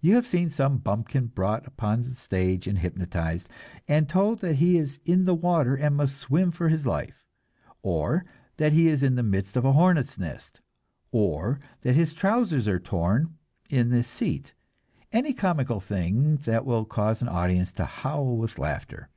You have seen some bumpkin brought upon the stage and hypnotized, and told that he is in the water and must swim for his life, or that he is in the midst of a hornets' nest, or that his trousers are torn in the seat any comical thing that will cause an audience to howl with laughter.